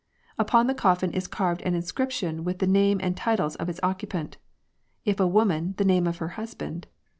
Upon the coffin is parved an inscription with the name and titles of its occupant ; if a woman, the name of her husband.